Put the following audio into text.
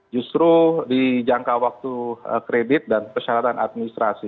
justru di jangka waktu kredit dan persyaratan administrasi